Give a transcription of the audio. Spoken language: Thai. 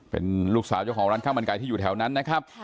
เป็นลูกสาวเจ้าของร้านข้าวมันไก่ที่อยู่แถวนั้นนะครับ